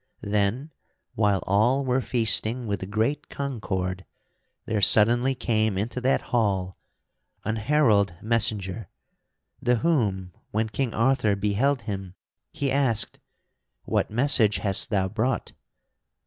Then, while all were feasting with great concord, there suddenly came into that hall an herald messenger; the whom, when King Arthur beheld him, he asked: "What message hast thou brought?"